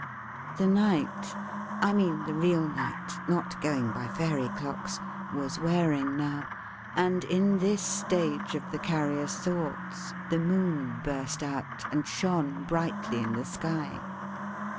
The night I mean the real night: not going by Fairy clocks was wearing now; and in this stage of the Carrier's thoughts, the moon burst out, and shone brightly in the sky.